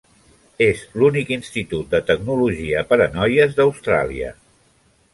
És l'únic institut de tecnologia per a noies d'Austràlia.